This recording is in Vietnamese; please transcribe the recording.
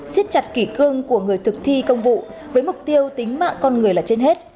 xiết chặt kỷ cương của người thực thi công vụ với mục tiêu tính mạng con người là trên hết